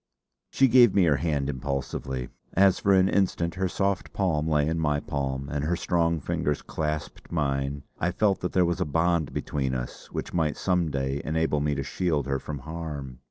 She gave me her hand impulsively. As for an instant her soft palm lay in my palm and her strong fingers clasped mine, I felt that there was a bond between us which might some day enable me to shield her from harm.